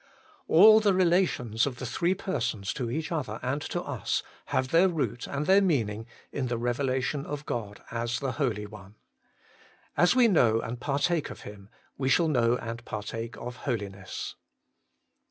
All the relations of the Three Persons to each other and to us have their root and their meaning in the revelation of God as the Holy One. As we know and partake of Him, we shall know and partake of Holiness.